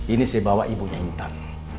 ini saya bawa ibunya intan